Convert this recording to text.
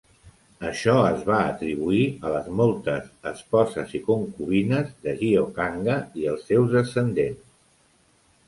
Això es va atribuir a les moltes esposes i concubines de Giocangga i els seus descendents.